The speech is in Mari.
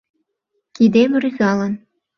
Кидем рӱзалын